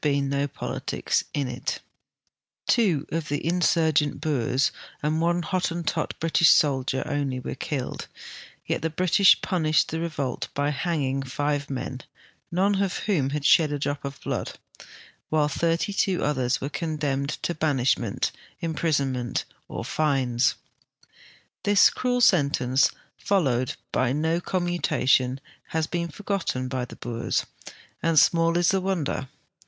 * Two of the insurgent Boers and one Hot tentot British soldier only were killed, yet the British punished the revolt by hanging five men, none of whom had shed a drop of blood, while thirty two others were condemned to banishment, imprisonment, or fines. This cruel sentence, followed by no com mutation, has never been forgotten by the Boers, and small is the wonder.